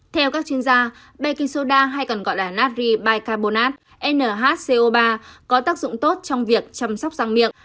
theo các chuyên gia baking soda hay còn gọi là natri bicarbonate nhco ba có tác dụng tốt trong việc chăm sóc răng miệng